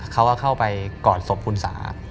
เขาก็เข้าไปกอดศพคุณสา